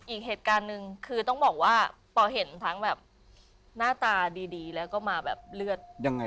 อีกเหตุการณ์นึงคือต้องบอกว่าป่อเห็นทั้งหน้าตาดีและก็มาเรือด